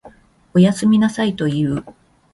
おやすみなさいと言う。